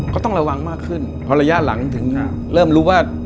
ก็ต้องระวังมากขึ้นพอระยะหลังถึงเริ่มรู้ว่า